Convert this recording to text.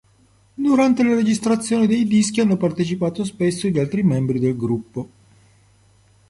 Durante le registrazioni dei dischi hanno partecipato spesso gli altri membri del gruppo.